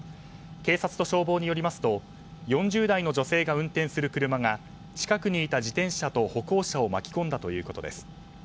警察と消防によりますと４０代の女性が運転する車が近くにいた自転車と歩行者を巻き込んだということです。